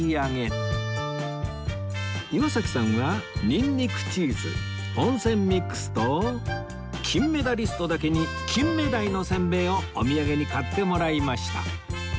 岩崎さんはにんにくチーズぽんせんミックスと金メダリストだけに金目鯛のせんべいをお土産に買ってもらいました